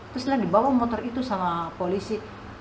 terus dibawa motor itu sama polisi